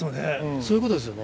そういうことですよね。